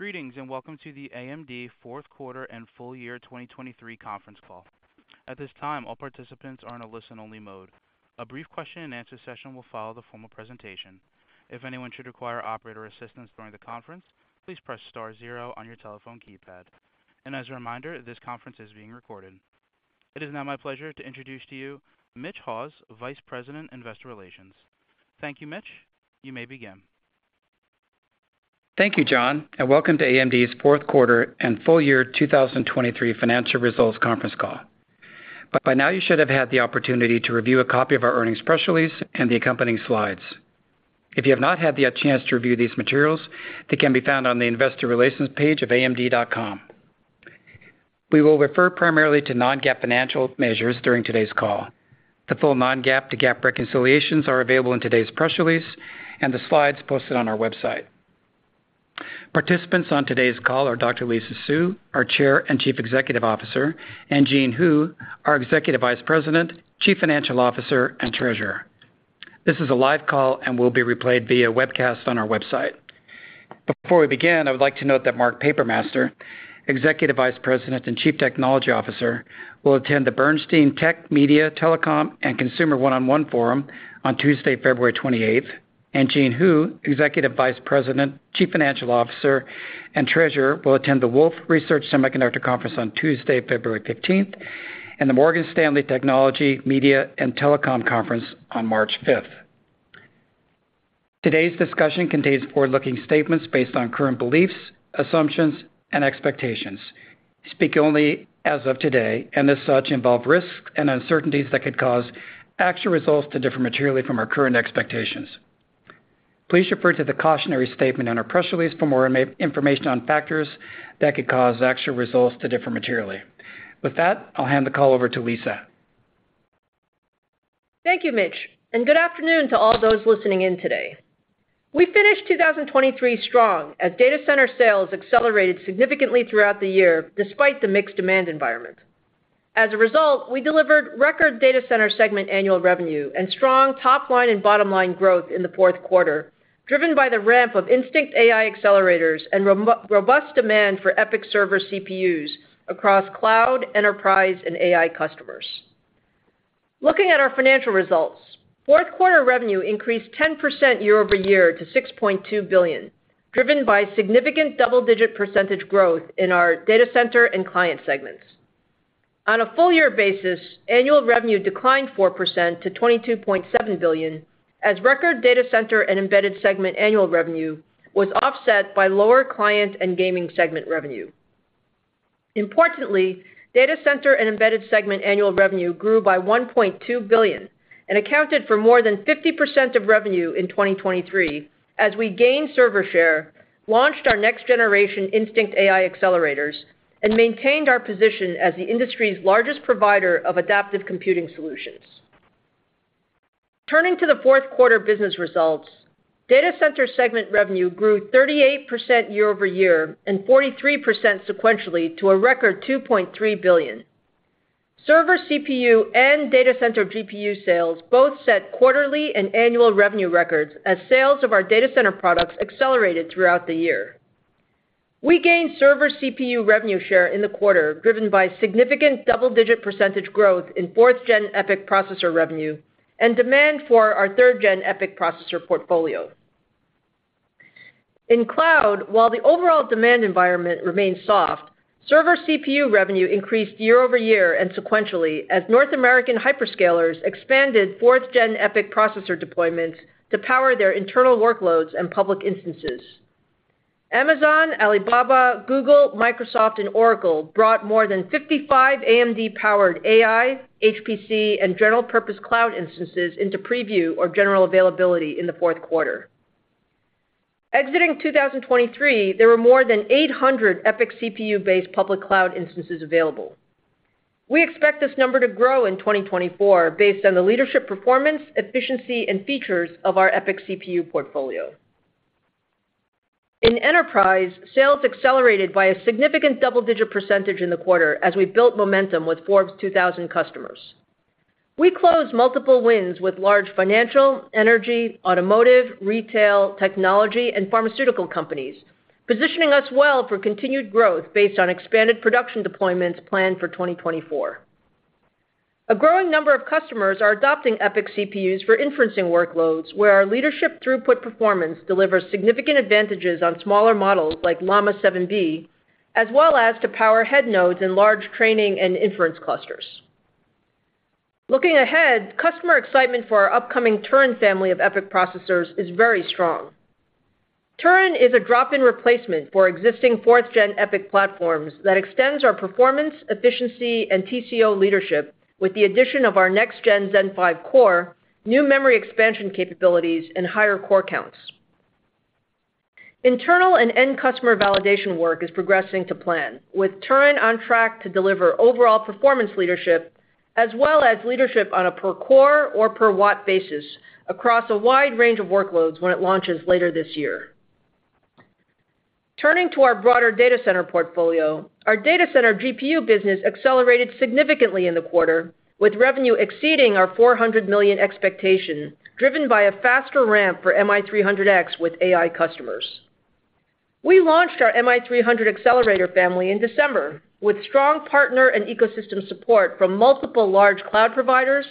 Greetings, and welcome to the AMD Fourth Quarter and Full Year 2023 conference call. At this time, all participants are in a listen-only mode. A brief question-and-answer session will follow the formal presentation. If anyone should require operator assistance during the conference, please press star zero on your telephone keypad. As a reminder, this conference is being recorded. It is now my pleasure to introduce to you Mitch Haws, Vice President, Investor Relations. Thank you, Mitch. You may begin. Thank you, John, and welcome to AMD's fourth quarter and full year 2023 financial results conference call. By now, you should have had the opportunity to review a copy of our earnings press release and the accompanying slides. If you have not had the chance to review these materials, they can be found on the Investor Relations page of amd.com. We will refer primarily to non-GAAP financial measures during today's call. The full non-GAAP to GAAP reconciliations are available in today's press release and the slides posted on our website. Participants on today's call are Dr. Lisa Su, our Chair and Chief Executive Officer, and Jean Hu, our Executive Vice President, Chief Financial Officer, and Treasurer. This is a live call and will be replayed via webcast on our website. Before we begin, I would like to note that Mark Papermaster, Executive Vice President and Chief Technology Officer, will attend the Bernstein Tech, Media, Telecom, and Consumer One-on-One Forum on Tuesday, February 28. Jean Hu, Executive Vice President, Chief Financial Officer, and Treasurer, will attend the Wolfe Research Semiconductor Conference on Tuesday, February 15, and the Morgan Stanley Technology, Media, and Telecom Conference on March 5. Today's discussion contains forward-looking statements based on current beliefs, assumptions, and expectations. We speak only as of today, and as such, involve risks and uncertainties that could cause actual results to differ materially from our current expectations. Please refer to the cautionary statement in our press release for more information on factors that could cause actual results to differ materially. With that, I'll hand the call over to Lisa. Thank you, Mitch, and good afternoon to all those listening in today. We finished 2023 strong, as data center sales accelerated significantly throughout the year, despite the mixed demand environment. As a result, we delivered record data center segment annual revenue and strong top-line and bottom-line growth in the fourth quarter, driven by the ramp of Instinct AI accelerators and robust demand for EPYC server CPUs across cloud, enterprise, and AI customers. Looking at our financial results, fourth quarter revenue increased 10% year-over-year to $6,200,000,000, driven by significant double-digit percentage growth in our data center and client segments. On a full year basis, annual revenue declined 4% to $22,700,000,000, as record data center and embedded segment annual revenue was offset by lower client and gaming segment revenue. Importantly, data center and embedded segment annual revenue grew by $1,200,000,000 and accounted for more than 50% of revenue in 2023 as we gained server share, launched our next generation Instinct AI accelerators, and maintained our position as the industry's largest provider of adaptive computing solutions. Turning to the fourth quarter business results, data center segment revenue grew 38% year over year and 43% sequentially to a record $2,300,000,000. Server CPU and data center GPU sales both set quarterly and annual revenue records as sales of our data center products accelerated throughout the year. We gained server CPU revenue share in the quarter, driven by significant double-digit percentage growth in fourth-gen EPYC processor revenue and demand for our third-gen EPYC processor portfolio. In cloud, while the overall demand environment remained soft, server CPU revenue increased year-over-year and sequentially as North American hyperscalers expanded fourth-gen EPYC processor deployments to power their internal workloads and public instances. Amazon, Alibaba, Google, Microsoft, and Oracle brought more than 55 AMD-powered AI, HPC, and general-purpose cloud instances into preview or general availability in the fourth quarter. Exiting 2023, there were more than 800 EPYC CPU-based public cloud instances available. We expect this number to grow in 2024 based on the leadership, performance, efficiency, and features of our EPYC CPU portfolio. In enterprise, sales accelerated by a significant double-digit percentage in the quarter as we built momentum with Fortune 2000 customers. We closed multiple wins with large financial, energy, automotive, retail, technology, and pharmaceutical companies, positioning us well for continued growth based on expanded production deployments planned for 2024. A growing number of customers are adopting EPYC CPUs for inferencing workloads, where our leadership throughput performance delivers significant advantages on smaller models like Llama 7B, as well as to power head nodes in large training and inference clusters. Looking ahead, customer excitement for our upcoming Turin family of EPYC processors is very strong. Turin is a drop-in replacement for existing fourth-gen EPYC platforms that extends our performance, efficiency, and TCO leadership with the addition of our next-gen Zen 5 core, new memory expansion capabilities, and higher core counts. Internal and end customer validation work is progressing to plan, with Turin on track to deliver overall performance leadership, as well as leadership on a per-core or per-watt basis across a wide range of workloads when it launches later this year. Turning to our broader data center portfolio, our data center GPU business accelerated significantly in the quarter, with revenue exceeding our $400,000,000 expectation, driven by a faster ramp for MI300X with AI customers.... We launched our MI300 accelerator family in December, with strong partner and ecosystem support from multiple large cloud providers,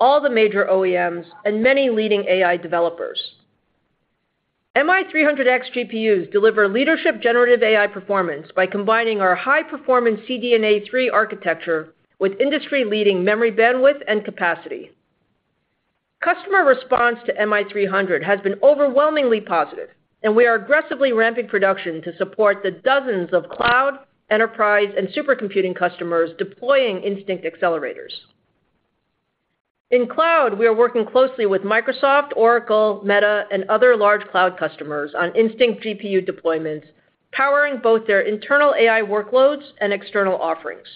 all the major OEMs, and many leading AI developers. MI300X GPUs deliver leadership generative AI performance by combining our high-performance CDNA 3 architecture with industry-leading memory bandwidth and capacity. Customer response to MI300 has been overwhelmingly positive, and we are aggressively ramping production to support the dozens of cloud, enterprise, and supercomputing customers deploying Instinct accelerators. In cloud, we are working closely with Microsoft, Oracle, Meta, and other large cloud customers on Instinct GPU deployments, powering both their internal AI workloads and external offerings.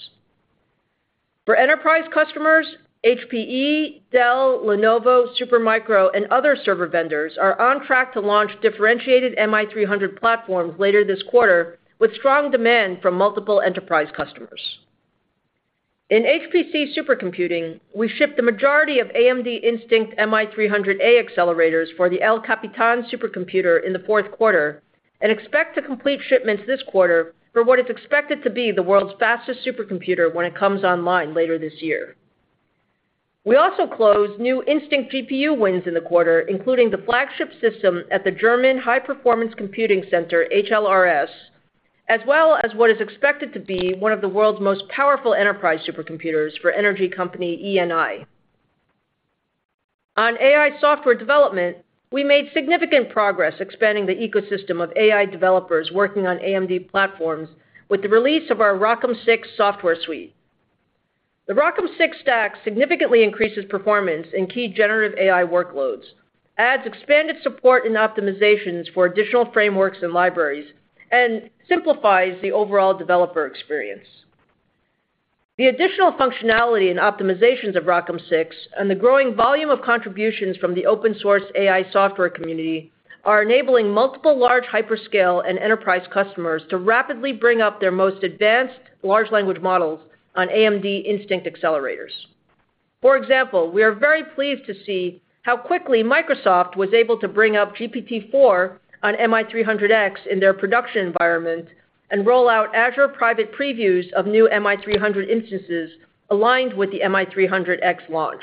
For enterprise customers, HPE, Dell, Lenovo, Supermicro, and other server vendors are on track to launch differentiated MI300 platforms later this quarter, with strong demand from multiple enterprise customers. In HPC supercomputing, we shipped the majority of AMD Instinct MI300A accelerators for the El Capitan supercomputer in the fourth quarter and expect to complete shipments this quarter for what is expected to be the world's fastest supercomputer when it comes online later this year. We also closed new Instinct GPU wins in the quarter, including the flagship system at the German High-Performance Computing Center, HLRS, as well as what is expected to be one of the world's most powerful enterprise supercomputers for energy company Eni. On AI software development, we made significant progress expanding the ecosystem of AI developers working on AMD platforms with the release of our ROCm 6 software suite. The ROCm 6 stack significantly increases performance in key generative AI workloads, adds expanded support and optimizations for additional frameworks and libraries, and simplifies the overall developer experience. The additional functionality and optimizations of ROCm 6 and the growing volume of contributions from the open source AI software community are enabling multiple large hyperscale and enterprise customers to rapidly bring up their most advanced large language models on AMD Instinct accelerators. For example, we are very pleased to see how quickly Microsoft was able to bring up GPT-4 on MI300X in their production environment and roll out Azure private previews of new MI300 instances aligned with the MI300X launch.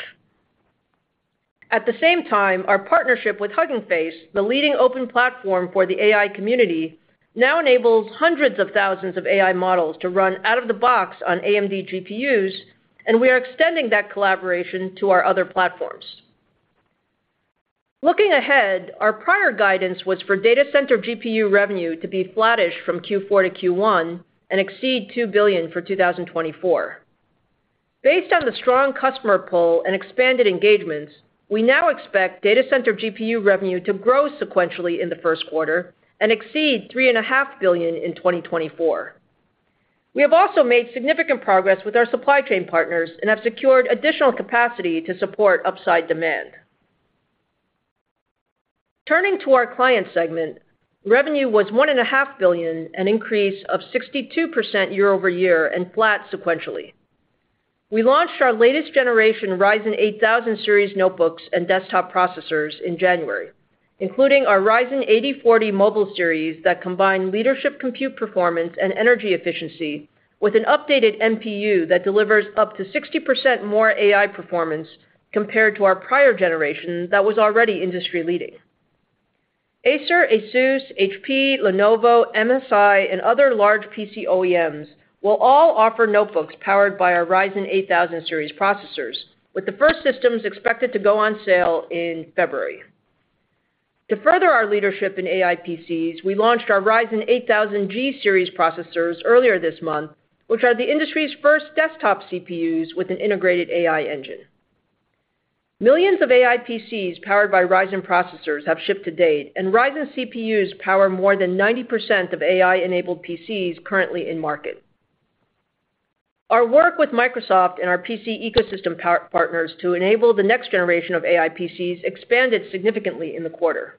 At the same time, our partnership with Hugging Face, the leading open platform for the AI community, now enables hundreds of thousands of AI models to run out of the box on AMD GPUs, and we are extending that collaboration to our other platforms. Looking ahead, our prior guidance was for data center GPU revenue to be flattish from Q4 to Q1 and exceed $2,000,000,000 in 2024. Based on the strong customer pull and expanded engagements, we now expect data center GPU revenue to grow sequentially in the first quarter and exceed $3,500,000,000 in 2024. We have also made significant progress with our supply chain partners and have secured additional capacity to support upside demand. Turning to our client segment, revenue was $1,500,000,000, an increase of 62% year-over-year and flat sequentially. We launched our latest generation Ryzen 8000 Series notebooks and desktop processors in January, including our Ryzen 8040 Mobile Series that combine leadership, compute performance, and energy efficiency with an updated NPU that delivers up to 60% more AI performance compared to our prior generation that was already industry-leading. Acer, ASUS, HP, Lenovo, MSI, and other large PC OEMs will all offer notebooks powered by our Ryzen 8000 Series processors, with the first systems expected to go on sale in February. To further our leadership in AI PCs, we launched our Ryzen 8000G Series processors earlier this month, which are the industry's first desktop CPUs with an integrated AI engine. Millions of AI PCs powered by Ryzen processors have shipped to date, and Ryzen CPUs power more than 90% of AI-enabled PCs currently in market. Our work with Microsoft and our PC ecosystem partners to enable the next generation of AI PCs expanded significantly in the quarter.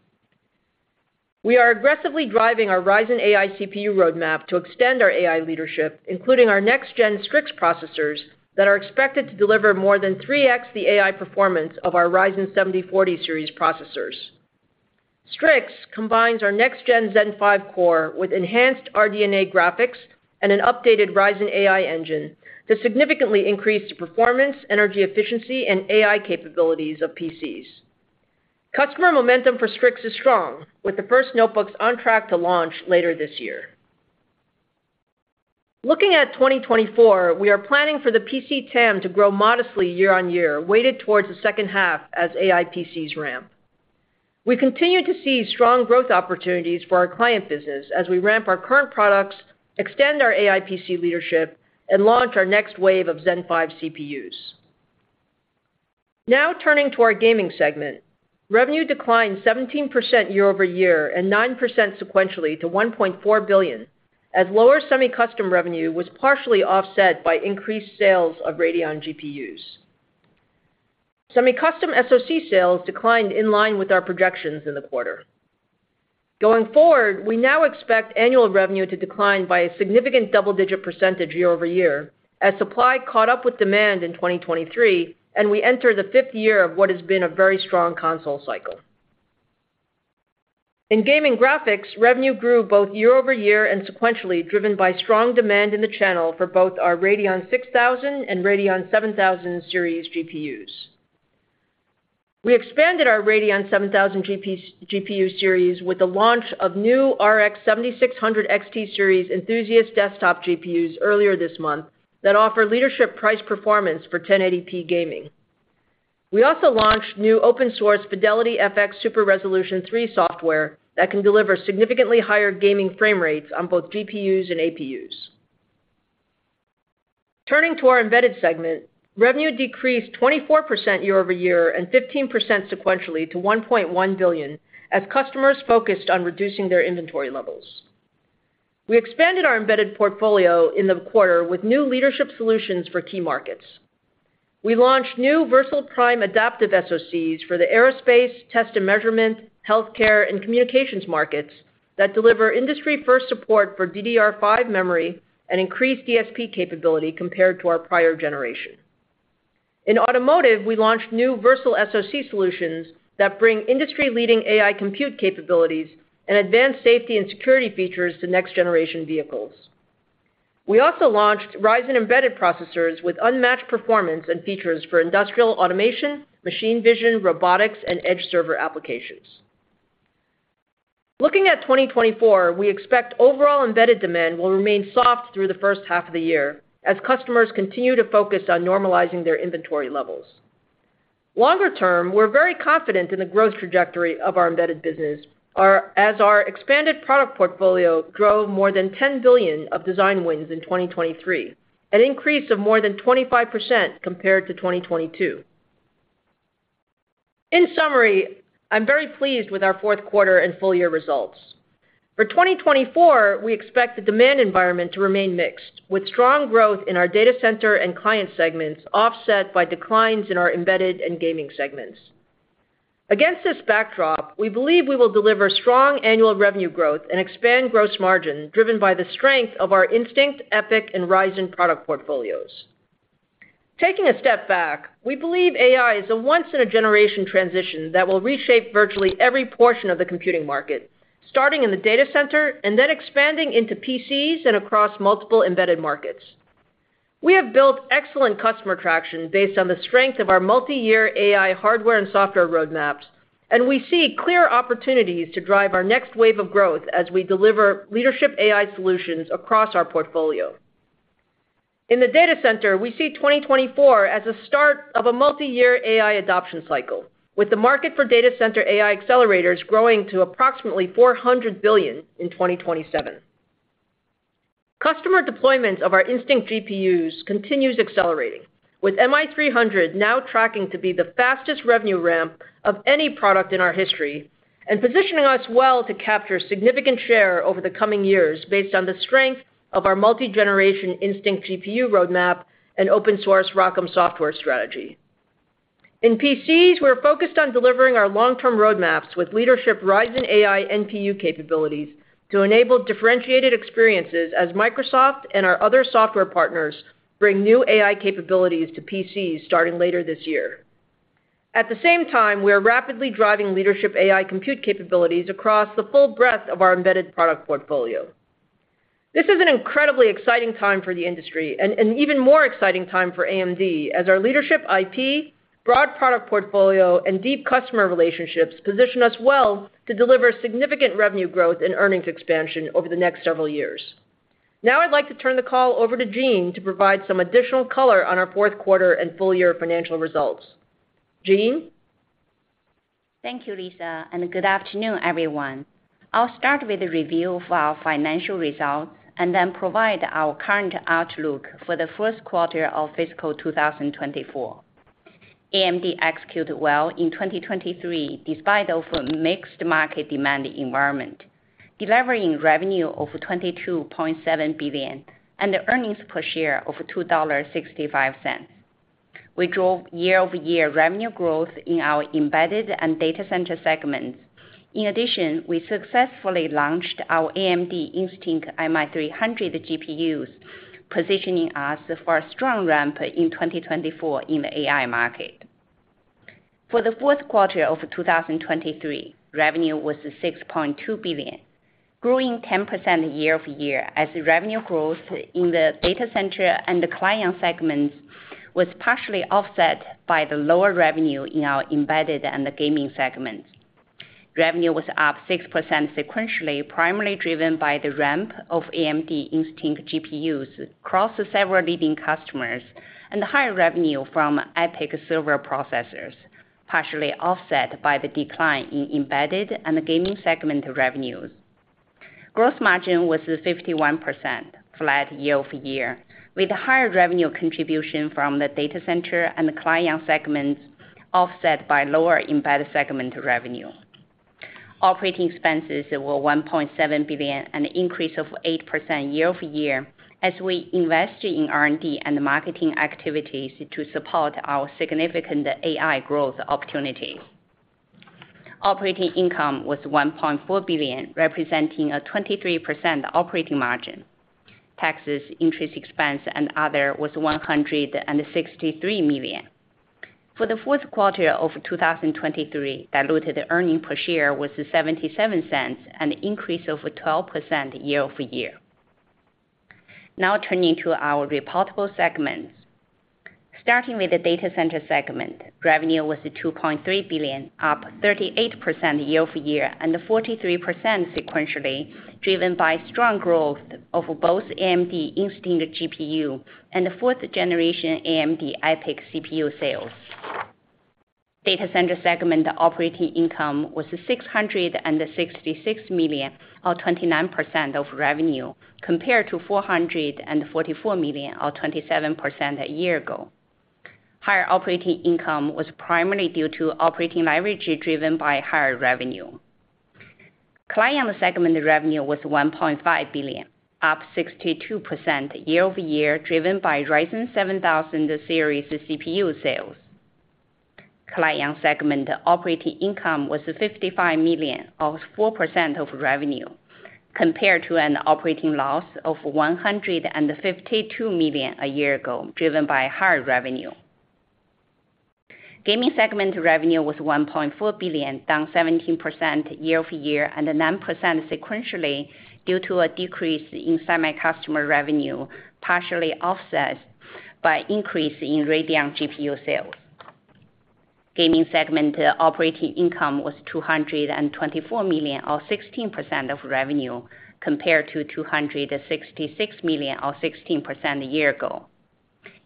We are aggressively driving our Ryzen AI CPU roadmap to extend our AI leadership, including our next gen Strix processors, that are expected to deliver more than 3x the AI performance of our Ryzen 7040 Series processors. Strix combines our next gen Zen 5 core with enhanced RDNA graphics and an updated Ryzen AI engine to significantly increase the performance, energy efficiency, and AI capabilities of PCs. Customer momentum for Strix is strong, with the first notebooks on track to launch later this year. Looking at 2024, we are planning for the PC TAM to grow modestly year-on-year, weighted towards the second half as AI PCs ramp. We continue to see strong growth opportunities for our client business as we ramp our current products, extend our AI PC leadership, and launch our next wave of Zen 5 CPUs. Now, turning to our gaming segment. Revenue declined 17% year-over-year and 9% sequentially to $1,400,000,000, as lower semi-custom revenue was partially offset by increased sales of Radeon GPUs. Semi-custom SoC sales declined in line with our projections in the quarter. Going forward, we now expect annual revenue to decline by a significant double-digit percentage year-over-year as supply caught up with demand in 2023, and we enter the 5th year of what has been a very strong console cycle. In gaming graphics, revenue grew both year-over-year and sequentially, driven by strong demand in the channel for both our Radeon 6000 Series and Radeon 7000 Series GPUs. We expanded our Radeon 7000 GPU series with the launch of new RX 7600 XT series enthusiast desktop GPUs earlier this month, that offer leadership price performance for 1080p gaming. We also launched new open source FidelityFX Super Resolution 3 software, that can deliver significantly higher gaming frame rates on both GPUs and APUs. Turning to our Embedded segment, revenue decreased 24% year-over-year and 15% sequentially to $1,100,000,000 as customers focused on reducing their inventory levels. We expanded our embedded portfolio in the quarter with new leadership solutions for key markets. We launched new Versal Prime adaptive SoCs for the aerospace, test and measurement, healthcare, and communications markets, that deliver industry-first support for DDR5 memory and increased DSP capability compared to our prior generation. In automotive, we launched new Versal SoC solutions that bring industry-leading AI compute capabilities and advanced safety and security features to next-generation vehicles. We also launched Ryzen Embedded processors with unmatched performance and features for industrial automation, machine vision, robotics, and edge server applications. Looking at 2024, we expect overall embedded demand will remain soft through the first half of the year, as customers continue to focus on normalizing their inventory levels. Longer term, we're very confident in the growth trajectory of our embedded business, as our expanded product portfolio drove more than $10,000,000,000of design wins in 2023, an increase of more than 25% compared to 2022. In summary, I'm very pleased with our fourth quarter and full year results. For 2024, we expect the demand environment to remain mixed, with strong growth in our data center and client segments, offset by declines in our embedded and gaming segments. Against this backdrop, we believe we will deliver strong annual revenue growth and expand gross margin, driven by the strength of our Instinct, EPYC, and Ryzen product portfolios. Taking a step back, we believe AI is a once-in-a-generation transition that will reshape virtually every portion of the computing market, starting in the data center and then expanding into PCs and across multiple embedded markets. We have built excellent customer traction based on the strength of our multi-year AI hardware and software roadmaps, and we see clear opportunities to drive our next wave of growth as we deliver leadership AI solutions across our portfolio. In the data center, we see 2024 as a start of a multi-year AI adoption cycle, with the market for data center AI accelerators growing to approximately $400,000,000,000 in 2027. Customer deployments of our Instinct GPUs continues accelerating, with MI300 now tracking to be the fastest revenue ramp of any product in our history, and positioning us well to capture significant share over the coming years based on the strength of our multi-generation Instinct GPU roadmap and open source ROCm software strategy. In PCs, we're focused on delivering our long-term roadmaps with leadership Ryzen AI NPU capabilities to enable differentiated experiences as Microsoft and our other software partners bring new AI capabilities to PCs starting later this year. At the same time, we are rapidly driving leadership AI compute capabilities across the full breadth of our embedded product portfolio. This is an incredibly exciting time for the industry, and an even more exciting time for AMD, as our leadership IP, broad product portfolio, and deep customer relationships position us well to deliver significant revenue growth and earnings expansion over the next several years. Now I'd like to turn the call over to Jean to provide some additional color on our fourth quarter and full year financial results. Jean? Thank you, Lisa, and good afternoon, everyone. I'll start with a review of our financial results, and then provide our current outlook for the first quarter of fiscal 2024. AMD executed well in 2023, despite of a mixed market demand environment, delivering revenue of $22.,700,000,000 and earnings per share of $2.65. We drove year-over-year revenue growth in our Embedded and Data Center segments. In addition, we successfully launched our AMD Instinct MI300 GPUs, positioning us for a strong ramp in 2024 in the AI market. For the fourth quarter of 2023, revenue was $6,200,000,000, growing 10% year-over-year, as the revenue growth in the data center and the client segments was partially offset by the lower revenue in our embedded and the gaming segments. Revenue was up 6% sequentially, primarily driven by the ramp of AMD Instinct GPUs across several leading customers, and higher revenue from EPYC server processors, partially offset by the decline in embedded and the gaming segment revenues. Gross margin was 51%, flat year-over-year, with higher revenue contribution from the data center and the client segments, offset by lower embedded segment revenue. Operating expenses were $1,700,000,000, an increase of 8% year-over-year, as we invest in R&D and marketing activities to support our significant AI growth opportunities. Operating income was $1,400,000,000, representing a 23% operating margin. Taxes, interest expense, and other was $163,000,000. For the fourth quarter of 2023, diluted earnings per share was $0.77, an increase of 12% year-over-year. Now turning to our reportable segments. Starting with the data center segment, revenue was $2,300,000,000, up 38% year-over-year, and 43% sequentially, driven by strong growth of both AMD Instinct GPU and the fourth generation AMD EPYC CPU sales. Data center segment operating income was $666,000,000, or 29% of revenue, compared to $444,000,000, or 27% a year ago. Higher operating income was primarily due to operating leverage, driven by higher revenue. Client segment revenue was $1,500,000,000, up 62% year-over-year, driven by Ryzen 7000 series CPU sales. Client segment operating income was $55,000,000, or 4% of revenue, compared to an operating loss of $152,000,000a year ago, driven by higher revenue. Gaming segment revenue was $1,400,000,000, down 17% year-over-year, and 9% sequentially due to a decrease in semi-custom revenue, partially offset by increase in Radeon GPU sales. Gaming segment operating income was $224,000,000, or 16% of revenue, compared to $266,000,000, or 16% a year ago.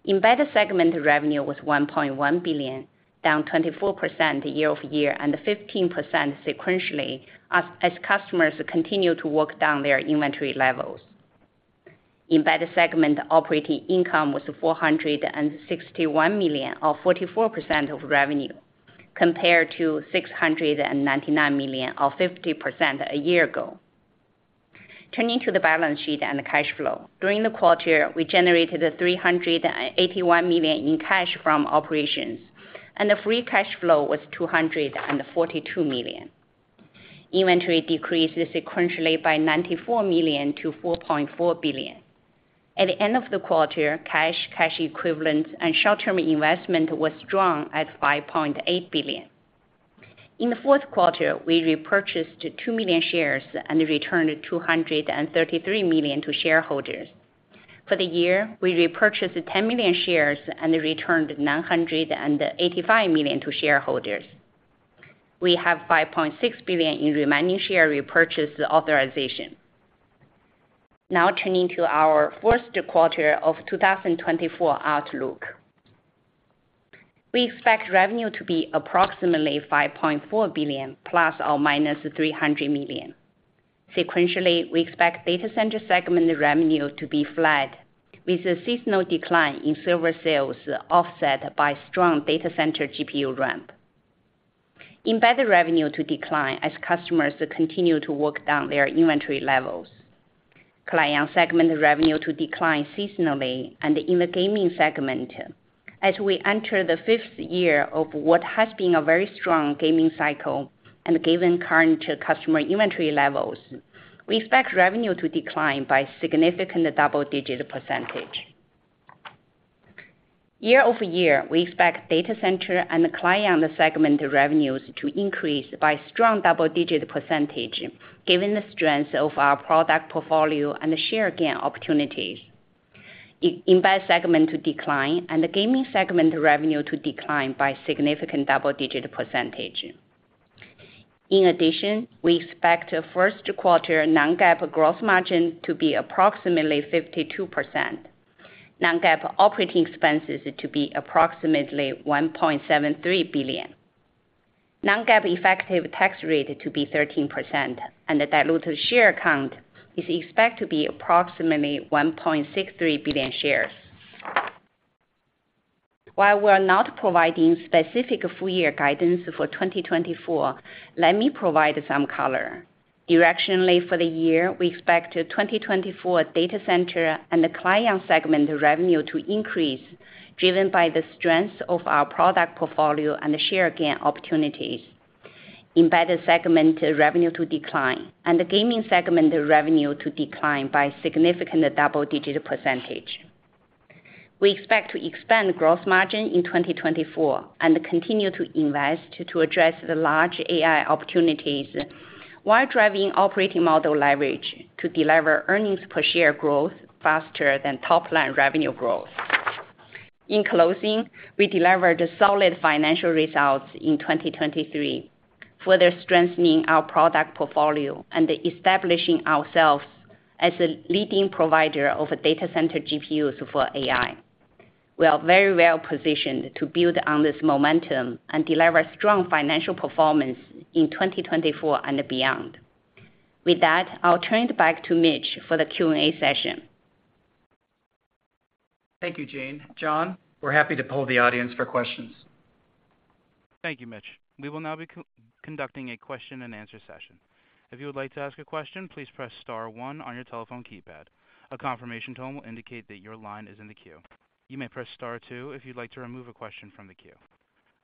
Embedded segment revenue was $1,100,000,000, down 24% year-over-year, and 15% sequentially, as customers continue to work down their inventory levels. Embedded segment operating income was $461,000,000, or 44% of revenue, compared to $699,000,000, or 50% a year ago. Turning to the balance sheet and the cash flow. During the quarter, we generated $381,000,000 in cash from operations, and the free cash flow was $242,000,000. Inventory decreased sequentially by $94,000,000to $4,400,000,000. At the end of the quarter, cash, cash equivalents, and short-term investment was strong at $5.,800,000,000. In the fourth quarter, we repurchased 2,000,000 shares and returned $233,000,000 to shareholders. For the year, we repurchased 10,000,000 shares and returned $985,000,000 to shareholders. We have $5,600,000,000 in remaining share repurchase authorization. Now turning to our first quarter of 2024 outlook. We expect revenue to be approximately $5,400,000,000, ±$300,000,000. Sequentially, we expect data center segment revenue to be flat, with a seasonal decline in server sales, offset by strong data center GPU ramp. Embedded revenue to decline as customers continue to work down their inventory levels. Client segment revenue to decline seasonally and in the gaming segment. As we enter the 5th year of what has been a very strong gaming cycle, and given current customer inventory levels, we expect revenue to decline by significant double-digit percentage. Year-over-year, we expect data center and client segment revenues to increase by strong double-digit percentage, given the strength of our product portfolio and the share gain opportunities. Embedded segment to decline, and the gaming segment revenue to decline by significant double-digit percentage. In addition, we expect first quarter non-GAAP gross margin to be approximately 52%. Non-GAAP operating expenses to be approximately $1,730,000,000. Non-GAAP effective tax rate to be 13%, and the diluted share count is expected to be approximately 1,630,000,000 shares. While we're not providing specific full-year guidance for 2024, let me provide some color. Directionally, for the year, we expect 2024 data center and the client segment revenue to increase, driven by the strength of our product portfolio and the share gain opportunities. Embedded segment revenue to decline, and the gaming segment revenue to decline by significant double-digit %. We expect to expand gross margin in 2024 and continue to invest to address the large AI opportunities, while driving operating model leverage to deliver earnings per share growth faster than top-line revenue growth. In closing, we delivered solid financial results in 2023, further strengthening our product portfolio and establishing ourselves as a leading provider of data center GPUs for AI. We are very well positioned to build on this momentum and deliver strong financial performance in 2024 and beyond. With that, I'll turn it back to Mitch for the Q&A session. Thank you, Jean. John, we're happy to poll the audience for questions. Thank you, Mitch. We will now be co-conducting a question-and-answer session. If you would like to ask a question, please press star one on your telephone keypad. A confirmation tone will indicate that your line is in the queue. You may press star two if you'd like to remove a question from the queue.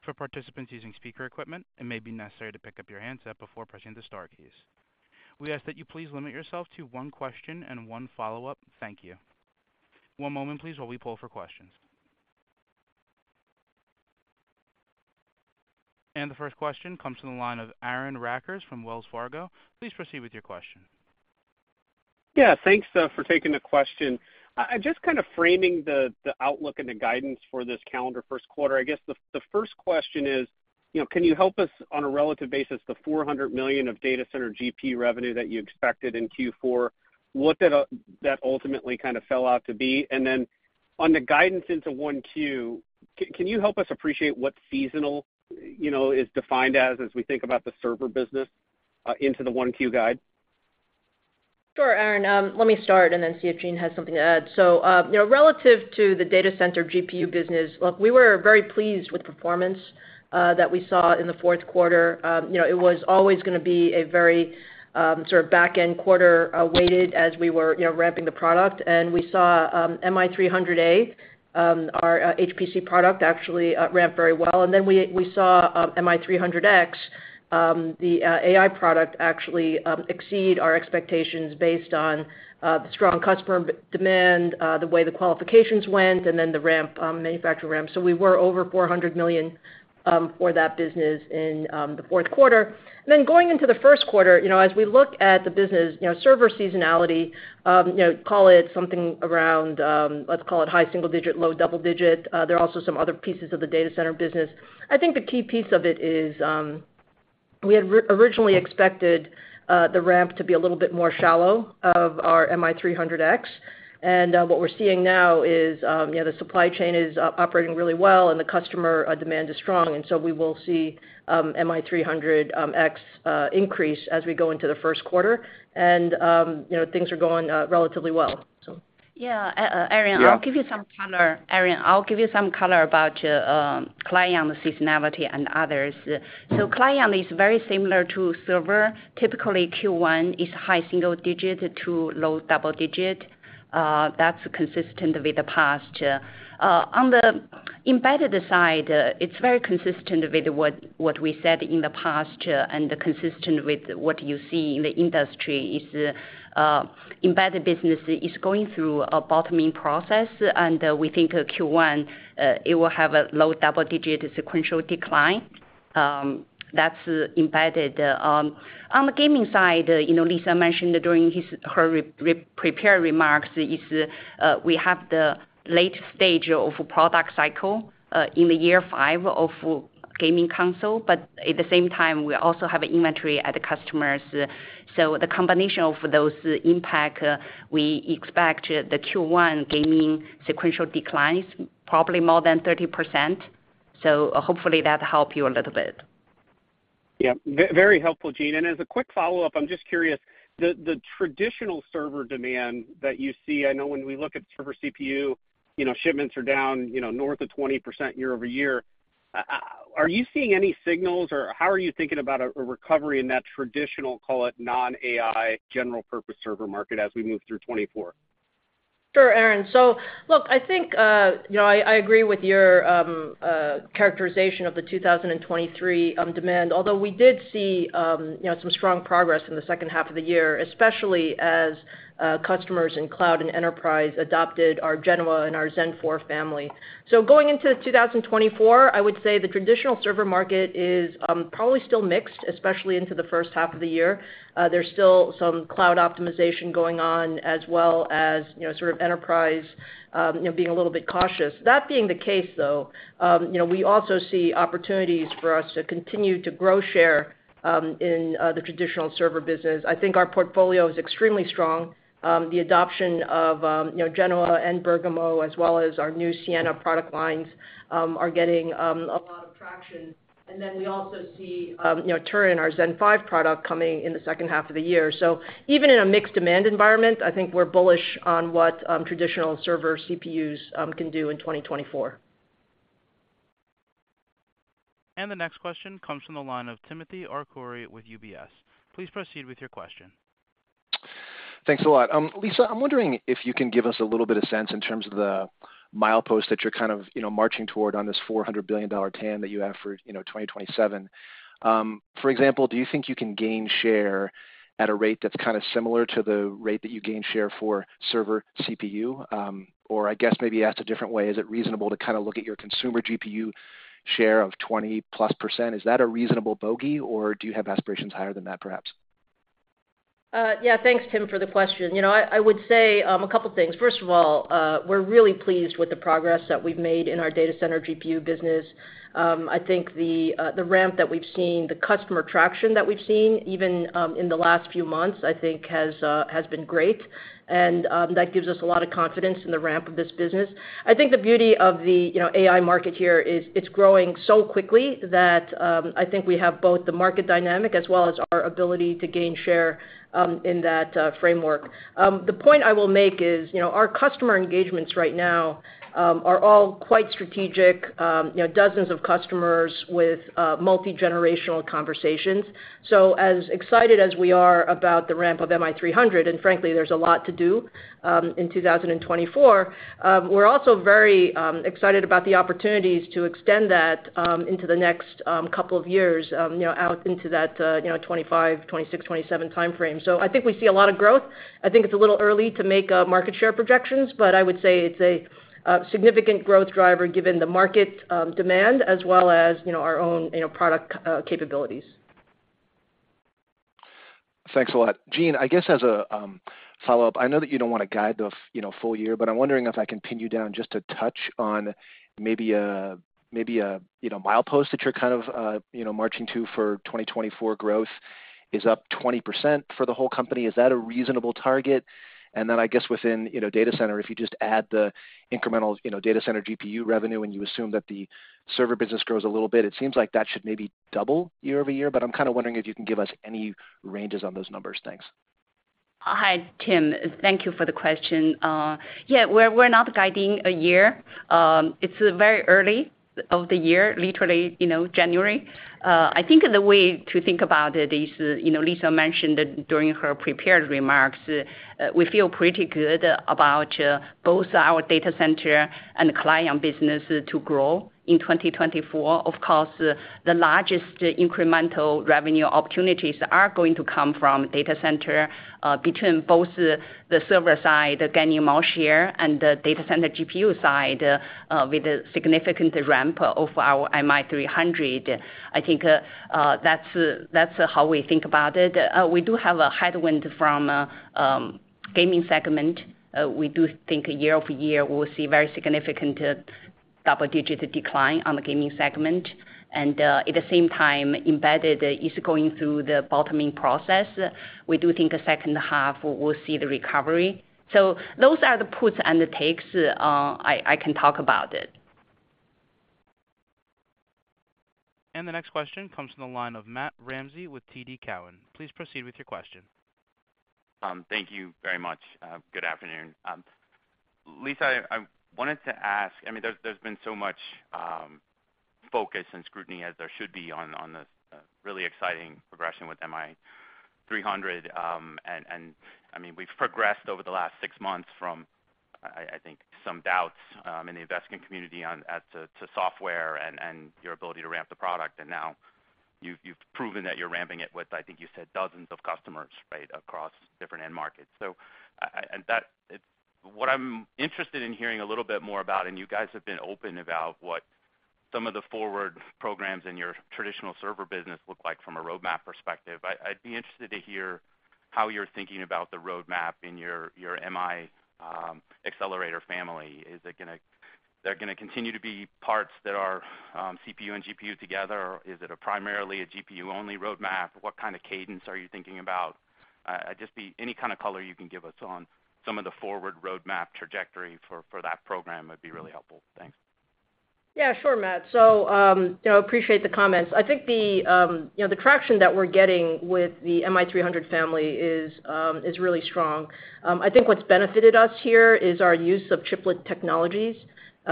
For participants using speaker equipment, it may be necessary to pick up your handset before pressing the star keys.... We ask that you please limit yourself to one question and one follow-up. Thank you. One moment, please, while we pull for questions. The first question comes from the line of Aaron Rakers from Wells Fargo. Please proceed with your question. Yeah, thanks for taking the question. Just kind of framing the outlook and the guidance for this calendar first quarter. I guess the first question is, you know, can you help us on a relative basis, the $400,000,000of data center GPU revenue that you expected in Q4, what did that ultimately kind of fell out to be? And then on the guidance into Q1, can you help us appreciate what seasonal, you know, is defined as, as we think about the server business into the Q1 guide? Sure, Aaron. Let me start and then see if Jean has something to add. So, you know, relative to the data center GPU business, look, we were very pleased with the performance that we saw in the fourth quarter. You know, it was always gonna be a very sort of back-end quarter, weighted as we were, you know, ramping the product. And we saw MI300A, our HPC product, actually ramp very well. And then we saw MI300X, the AI product, actually exceed our expectations based on the strong customer demand, the way the qualifications went, and then the ramp, manufacture ramp. So we were over $400,000,000 for that business in the fourth quarter. Then going into the first quarter, you know, as we look at the business, you know, server seasonality, you know, call it something around, let's call it high single digit, low double digit. There are also some pieces of the data center business. I think the key piece of it is, we had originally expected, the ramp to be a little bit more shallow of our MI300X, and, what we're seeing now is, you know, the supply chain is operating really well, and the customer, demand is strong, and so we will see, MI300 X, increase as we go into the first quarter, and, you know, things are going, relatively well, so. Yeah, Aaron- Yeah. I'll give you some color. Aaron, I'll give you some color about client seasonality and others. So client is very similar to server. Typically, Q1 is high single-digit to low double-digit. That's consistent with the past. On the embedded side, it's very consistent with what we said in the past, and consistent with what you see in the industry. Embedded business is going through a bottoming process, and we think Q1 it will have a low double-digit sequential decline. That's embedded. On the gaming side, you know, Lisa mentioned during her prepared remarks. We have the late stage of product cycle in the year 5 of gaming console, but at the same time, we also have inventory at the customers. So the combination of those impact, we expect the Q1 gaming sequential declines probably more than 30%. So hopefully that help you a little bit. Yeah, very helpful, Jean. And as a quick follow-up, I'm just curious, the traditional server demand that you see, I know when we look at server CPU, you know, shipments are down, you know, north of 20% year over year. Are you seeing any signals, or how are you thinking about a recovery in that traditional, call it, non-AI, general purpose server market as we move through 2024? Sure, Aaron. So look, I think, you know, I agree with your characterization of the 2023 demand, although we did see, you know, some strong progress in the second half of the year, especially as, customers in cloud and enterprise adopted our Genoa and our Zen 4 family. So going into 2024, I would say the traditional server market is, probably still mixed, especially into the first half of the year. There's still some cloud optimization going on, as well as, you know, sort of enterprise, you know, being a little bit cautious. That being the case, though, you know, we also see opportunities for us to continue to grow share, in, the traditional server business. I think our portfolio is extremely strong. The adoption of, you know, Genoa and Bergamo, as well as our new Siena product lines, are getting a lot of traction. And then we also see, you know, Turin, our Zen 5 product, coming in the second half of the year. So even in a mixed demand environment, I think we're bullish on what traditional server CPUs can do in 2024. The next question comes from the line of Timothy Arcuri with UBS. Please proceed with your question. Thanks a lot. Lisa, I'm wondering if you can give us a little bit of sense in terms of the milepost that you're kind of, you know, marching toward on this $400,000,000,000 TAM that you have for, you know, 2027. For example, do you think you can gain share at a rate that's kind of similar to the rate that you gain share for server CPU? Or I guess maybe asked a different way, is it reasonable to kind of look at your consumer GPU share of 20+%? Is that a reasonable bogey, or do you have aspirations higher than that, perhaps? Yeah, thanks, Tim, for the question. You know, I would say a couple things. First of all, we're really pleased with the progress that we've made in our data center GPU business. I think the ramp that we've seen, the customer traction that we've seen, even in the last few months, I think has been great, and that gives us a lot of confidence in the ramp of this business. I think the beauty of the you know AI market here is it's growing so quickly that I think we have both the market dynamic as well as our ability to gain share in that framework. The point I will make is, you know, our customer engagements right now are all quite strategic, you know, dozens of customers with multi-generational conversations. So as excited as we are about the ramp of MI300, and frankly, there's a lot to do in 2024, we're also very excited about the opportunities to extend that into the next couple of years, you know, out into that, you know, 2025, 2026, 2027 time frame. So I think we see a lot of growth. I think it's a little early to make market share projections, but I would say it's a significant growth driver, given the market demand, as well as, you know, our own, you know, product capabilities. Thanks a lot. Jean, I guess as a follow-up, I know that you don't want to guide the, you know, full year, but I'm wondering if I can pin you down just to touch on maybe a, you know, milepost that you're kind of, you know, marching to for 2024 growth is up 20% for the whole company. Is that a reasonable target? And then I guess within, you know, data center, if you just add the incremental, you know, data center GPU revenue, and you assume that the server business grows a little bit, it seems like that should maybe double year-over-year. But I'm kind of wondering if you can give us any ranges on those numbers. Thanks. Hi, Tim. Thank you for the question. Yeah, we're not guiding a year. It's very early of the year, literally, you know, January. I think the way to think about it is, you know, Lisa mentioned it during her prepared remarks. We feel pretty good about both our data center and client business to grow in 2024. Of course, the largest incremental revenue opportunities are going to come from data center, between both the server side, gaining more share, and the data center GPU side, with a significant ramp of our MI300. I think that's how we think about it. We do have a headwind from gaming segment. We do think year-over-year, we'll see very significant double-digit decline on the gaming segment, and at the same time, embedded is going through the bottoming process. We do think the second half we'll see the recovery. So those are the puts and the takes, I can talk about it. The next question comes from the line of Matt Ramsay with TD Cowen. Please proceed with your question. Thank you very much. Good afternoon. Lisa, I wanted to ask—I mean, there's been so much focus and scrutiny, as there should be, on this really exciting progression with MI300. And I mean, we've progressed over the last six months from, I think, some doubts in the investing community on—as to software and your ability to ramp the product. Now you've proven that you're ramping it with, I think you said, dozens of customers, right, across different end markets. So that—It's—What I'm interested in hearing a little bit more about, and you guys have been open about, what some of the forward programs in your traditional server business look like from a roadmap perspective. I'd be interested to hear how you're thinking about the roadmap in your MI accelerator family. Is it gonna continue to be parts that are CPU and GPU together, or is it primarily a GPU-only roadmap? What kind of cadence are you thinking about? Just any kind of color you can give us on some of the forward roadmap trajectory for that program would be really helpful. Thanks. Yeah, sure, Matt. So, you know, appreciate the comments. I think the, you know, the traction that we're getting with the MI300 family is really strong. I think what's benefited us here is our use of chiplet technologies,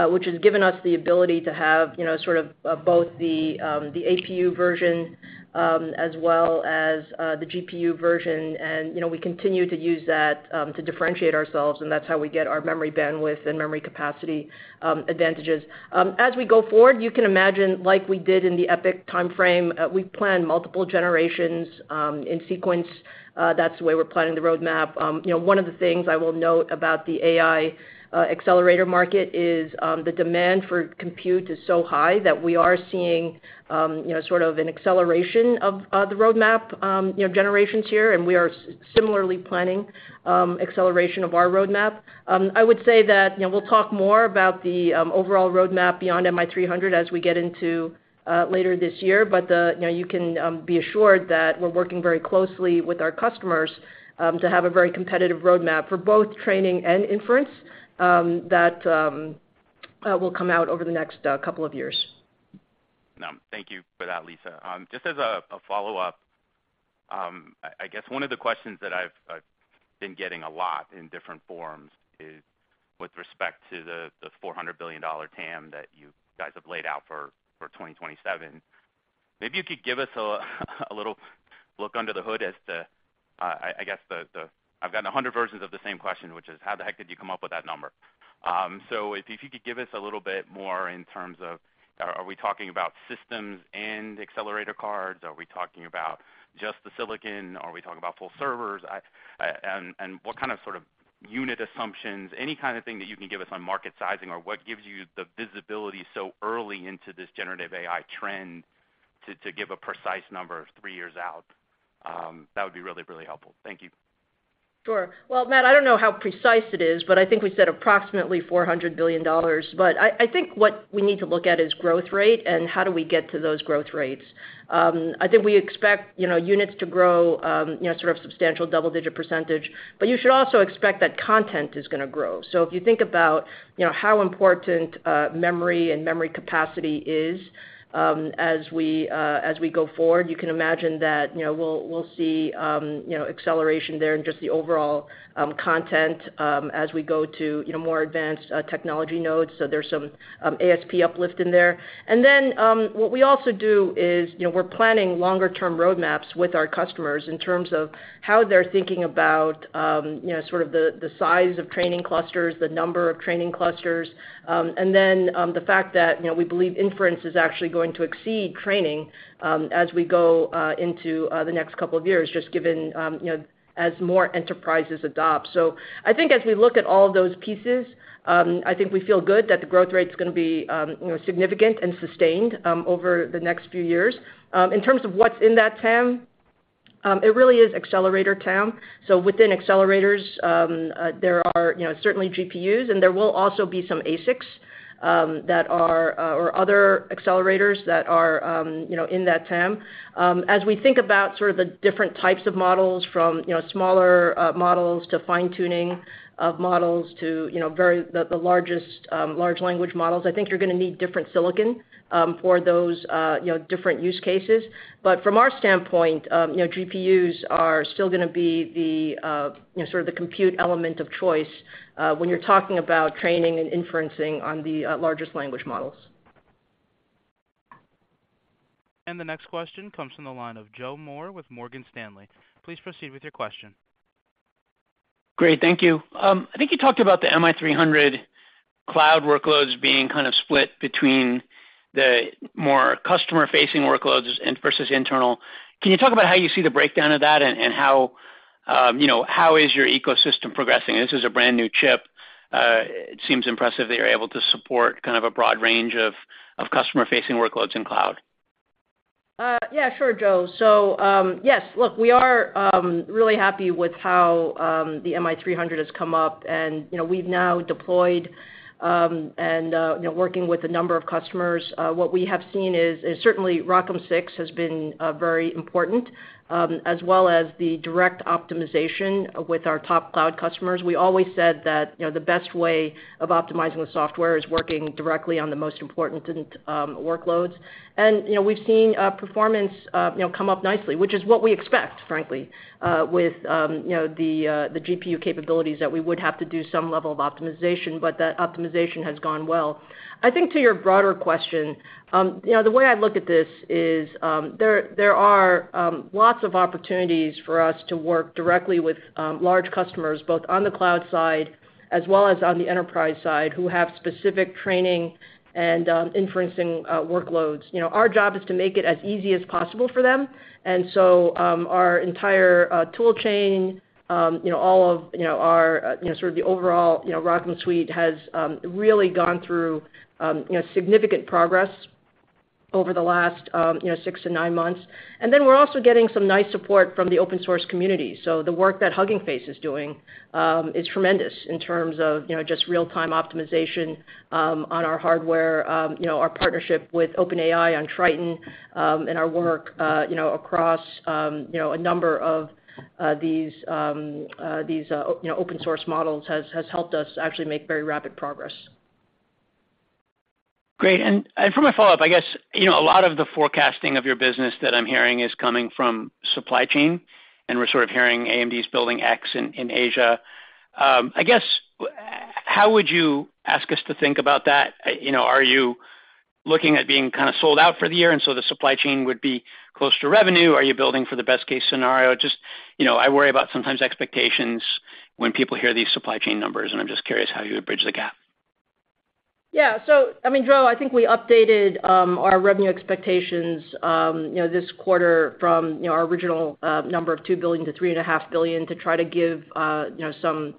which has given us the ability to have, you know, sort of, both the APU version, as well as, the GPU version. And, you know, we continue to use that, to differentiate ourselves, and that's how we get our memory bandwidth and memory capacity advantages. As we go forward, you can imagine, like we did in the EPYC timeframe, we plan multiple generations, in sequence. That's the way we're planning the roadmap. You know, one of the things I will note about the AI accelerator market is the demand for compute is so high that we are seeing you know, sort of an acceleration of the roadmap you know, generations here, and we are similarly planning acceleration of our roadmap. I would say that you know, we'll talk more about the overall roadmap beyond MI300 as we get into later this year. But you know, you can be assured that we're working very closely with our customers to have a very competitive roadmap for both training and inference that will come out over the next couple of years. Thank you for that, Lisa. Just as a follow-up, I guess one of the questions that I've been getting a lot in different forms is with respect to the $400,000,000,000 TAM that you guys have laid out for 2027. Maybe you could give us a little look under the hood as to, I guess, the... I've gotten 100 versions of the same question, which is, how the heck did you come up with that number? So if you could give us a little bit more in terms of, are we talking about systems and accelerator cards? Are we talking about just the silicon, or are we talking about full servers? And what kind of sort of unit assumptions, any kind of thing that you can give us on market sizing, or what gives you the visibility so early into this generative AI trend to give a precise number three years out, that would be really, really helpful. Thank you. ... Sure. Well, Matt, I don't know how precise it is, but I think we said approximately $400,000,000,000. But I, I think what we need to look at is growth rate and how do we get to those growth rates. I think we expect, you know, units to grow, you know, sort of substantial double-digit percentage, but you should also expect that content is gonna grow. So if you think about, you know, how important, memory and memory capacity is, as we, as we go forward, you can imagine that, you know, we'll, we'll see, you know, acceleration there in just the overall, content, as we go to, you know, more advanced, technology nodes. So there's some, ASP uplift in there. What we also do is, you know, we're planning longer-term roadmaps with our customers in terms of how they're thinking about, you know, sort of the, the size of training clusters, the number of training clusters, and then, the fact that, you know, we believe inference is actually going to exceed training, as we go into the next couple of years, just given, you know, as more enterprises adopt. I think as we look at all of those pieces, I think we feel good that the growth rate's gonna be, you know, significant and sustained over the next few years. In terms of what's in that TAM, it really is accelerator TAM. So within accelerators, there are, you know, certainly GPUs, and there will also be some ASICs or other accelerators that are, you know, in that TAM. As we think about sort of the different types of models, from, you know, smaller models to fine-tuning of models to, you know, the largest large language models, I think you're gonna need different silicon for those, you know, different use cases. But from our standpoint, you know, GPUs are still gonna be the, you know, sort of the compute element of choice when you're talking about training and inferencing on the largest language models. The next question comes from the line of Joe Moore with Morgan Stanley. Please proceed with your question. Great, thank you. I think you talked about the MI300 cloud workloads being kind of split between the more customer-facing workloads and versus internal. Can you talk about how you see the breakdown of that and how, you know, how is your ecosystem progressing? This is a brand-new chip. It seems impressive that you're able to support kind of a broad range of customer-facing workloads in cloud. Yeah, sure, Joe. So, yes, look, we are really happy with how the MI300 has come up, and, you know, we've now deployed, and, you know, working with a number of customers. What we have seen is certainly ROCm 6 has been very important, as well as the direct optimization with our top cloud customers. We always said that, you know, the best way of optimizing the software is working directly on the most important workloads. And, you know, we've seen performance, you know, come up nicely, which is what we expect, frankly, with, you know, the GPU capabilities, that we would have to do some level of optimization, but that optimization has gone well. I think to your broader question, you know, the way I look at this is, there are lots of opportunities for us to work directly with large customers, both on the cloud side as well as on the enterprise side, who have specific training and inferencing workloads. You know, our job is to make it as easy as possible for them, and so, our entire tool chain, you know, all of our sort of the overall ROCm suite has really gone through significant progress over the last 6-9 months. And then we're also getting some nice support from the open source community. So the work that Hugging Face is doing is tremendous in terms of, you know, just real-time optimization on our hardware. You know, our partnership with OpenAI on Triton and our work, you know, across, you know, a number of these you know open source models has helped us actually make very rapid progress. Great. And for my follow-up, I guess, you know, a lot of the forecasting of your business that I'm hearing is coming from supply chain, and we're sort of hearing AMD's building X in Asia. I guess, how would you ask us to think about that? You know, are you looking at being kind of sold out for the year, and so the supply chain would be close to revenue? Are you building for the best case scenario? Just, you know, I worry about sometimes expectations when people hear these supply chain numbers, and I'm just curious how you would bridge the gap. Yeah. So I mean, Joe, I think we updated our revenue expectations, you know, this quarter from, you know, our original number of $2,000,000,000-$3,500,000,000 to try to give, you know, some,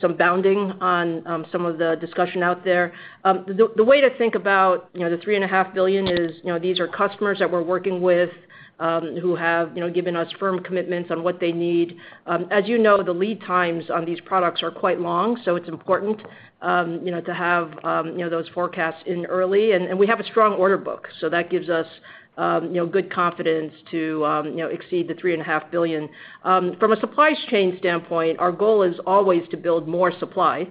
some bounding on some of the discussion out there. The way to think about, you know, the $3,500,000,000 is, you know, these are customers that we're working with, who have, you know, given us firm commitments on what they need. As you know, the lead times on these products are quite long, so it's important, you know, to have, you know, those forecasts in early. And we have a strong order book, so that gives us, you know, good confidence to, you know, exceed the $3,500,000,000. From a supply chain standpoint, our goal is always to build more supply.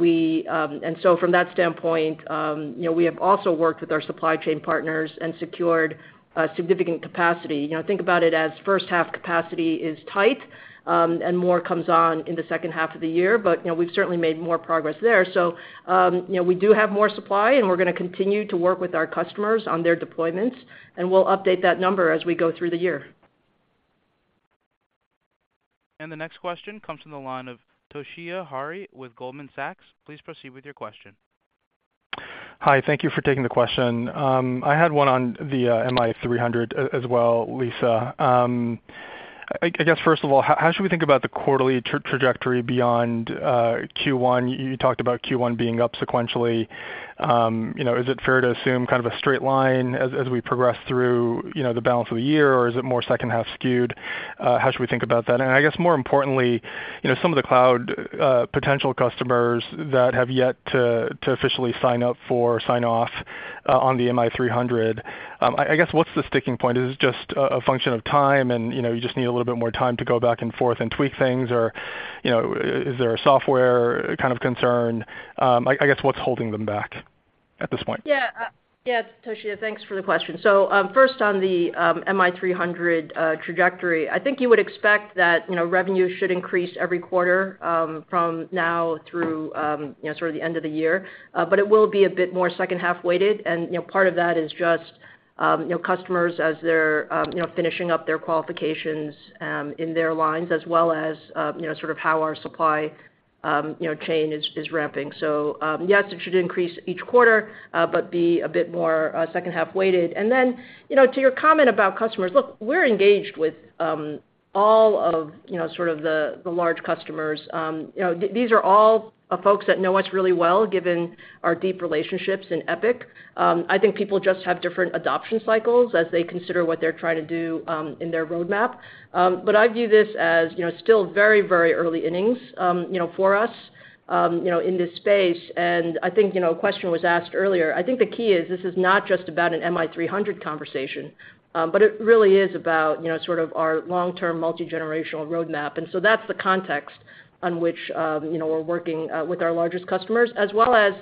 We... And so from that standpoint, you know, we have also worked with our supply chain partners and secured significant capacity. You know, think about it as first half capacity is tight, and more comes on in the second half of the year, but, you know, we've certainly made more progress there. So, you know, we do have more supply, and we're gonna continue to work with our customers on their deployments, and we'll update that number as we go through the year. The next question comes from the line of Toshiya Hari with Goldman Sachs. Please proceed with your question. Hi, thank you for taking the question. I had one on the MI300 as well, Lisa. I guess, first of all, how should we think about the quarterly trajectory beyond Q1? You talked about Q1 being up sequentially. You know, is it fair to assume kind of a straight line as we progress through, you know, the balance of the year, or is it more second half skewed? How should we think about that? And I guess more importantly, you know, some of the cloud potential customers that have yet to officially sign off on the MI300, I guess, what's the sticking point? Is it just a function of time, and, you know, you just need a little bit more time to go back and forth and tweak things, or, you know, is there a software kind of concern? I guess, what's holding them back at this point? Yeah. Yeah, Toshiya, thanks for the question. So, first on the MI300 trajectory, I think you would expect that, you know, revenue should increase every quarter from now through, you know, sort of the end of the year. But it will be a bit more second half-weighted, and, you know, part of that is just, you know, customers as they're, you know, finishing up their qualifications in their lines, as well as, you know, sort of how our supply, you know, chain is ramping. So, yes, it should increase each quarter, but be a bit more second half-weighted. And then, you know, to your comment about customers, look, we're engaged with all of, you know, sort of the large customers. You know, these are all folks that know us really well, given our deep relationships in EPYC. I think people just have different adoption cycles as they consider what they're trying to do in their roadmap. But I view this as, you know, still very, very early innings, you know, for us, you know, in this space. And I think, you know, a question was asked earlier. I think the key is, this is not just about an MI300 conversation, but it really is about, you know, sort of our long-term, multi-generational roadmap. That's the context on which, you know, we're working with our largest customers, as well as,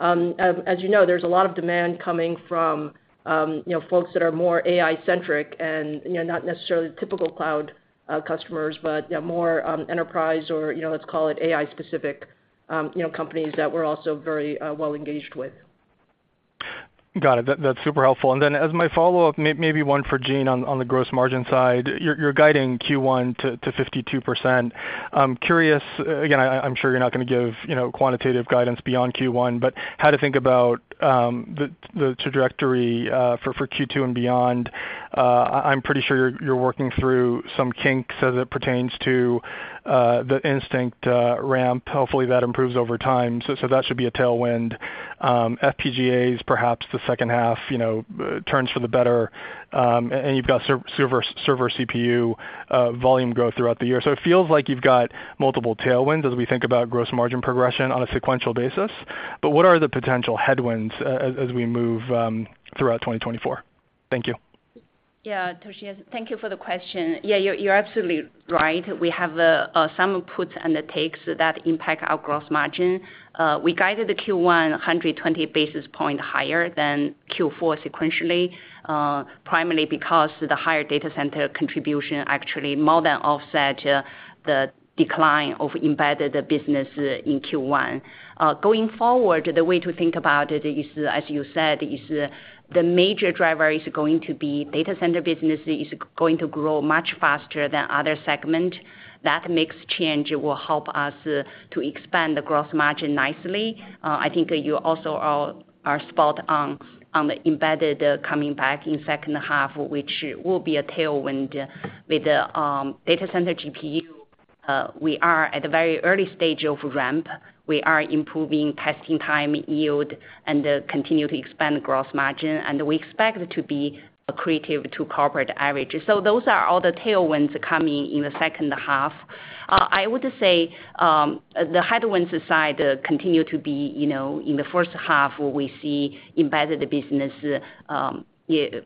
as you know, there's a lot of demand coming from, you know, folks that are more AI-centric and, you know, not necessarily typical cloud customers, but, yeah, more enterprise or, you know, let's call it AI-specific, you know, companies that we're also very well engaged with. Got it. That's super helpful. And then as my follow-up, maybe one for Jean on the gross margin side. You're guiding Q1 to 52%. I'm curious. Again, I'm sure you're not gonna give, you know, quantitative guidance beyond Q1, but how to think about the trajectory for Q2 and beyond. I'm pretty sure you're working through some kinks as it pertains to the Instinct ramp. Hopefully, that improves over time, so that should be a tailwind. FPGAs, perhaps the second half, you know, turns for the better, and you've got server CPU volume growth throughout the year. So it feels like you've got multiple tailwinds as we think about gross margin progression on a sequential basis, but what are the potential headwinds as we move throughout 2024? Thank you. Yeah, Toshiya, thank you for the question. Yeah, you're, you're absolutely right. We have some puts and takes that impact our gross margin. We guided the Q1 120 basis points higher than Q4 sequentially, primarily because the higher data center contribution actually more than offset the decline of embedded business in Q1. Going forward, the way to think about it is, as you said, the major driver is going to be data center business is going to grow much faster than other segment. That mix change will help us to expand the gross margin nicely. I think you also are spot on, on the embedded coming back in second half, which will be a tailwind. With data center GPU, we are at a very early stage of ramp. We are improving testing time, yield, and continue to expand gross margin, and we expect to be accretive to corporate average. So those are all the tailwinds coming in the second half. I would say, the headwinds side continue to be, you know, in the first half, we see embedded business,